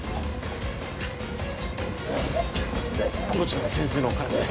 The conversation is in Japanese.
もちろん先生のお体です